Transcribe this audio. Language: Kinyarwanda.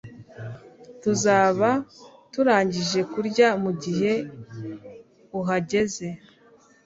tuzaba turangije kurya mugihe uhageze